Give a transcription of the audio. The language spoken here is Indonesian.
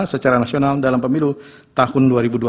secara nasional dalam pemilu tahun dua ribu dua puluh